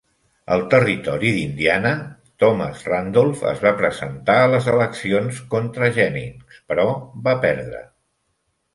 Al Territori d'Indiana, Thomas Randolph es va presentar a les eleccions contra Jennings, però va perdre.